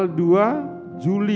tanggal dua juli